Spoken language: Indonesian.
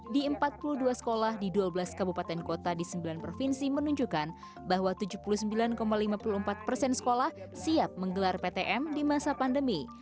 di empat puluh dua sekolah di dua belas kabupaten kota di sembilan provinsi menunjukkan bahwa tujuh puluh sembilan lima puluh empat persen sekolah siap menggelar ptm di masa pandemi